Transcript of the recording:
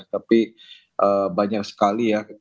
tapi banyak sekali ya